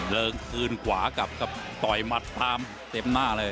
เดินคืนขวากลับครับต่อยหมัดตามเต็มหน้าเลย